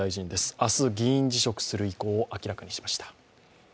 明日、議員辞職する意向を明らかにしました。